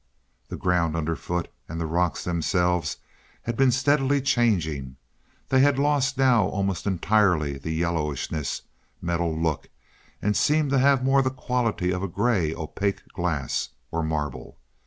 The ground underfoot and the rocks themselves had been steadily changing. They had lost now almost entirely the yellowishness, metal look, and seemed to have more the quality of a gray opaque glass, or marble.